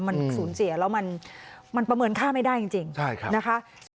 มันสูญเสียแล้วมันประเมินค่าไม่ได้จริงนะคะ